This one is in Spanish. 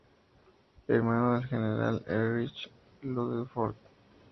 Hermano del general Erich Ludendorff.